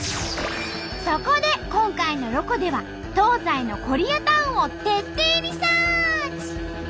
そこで今回の「ロコ」では東西のコリアタウンを徹底リサーチ！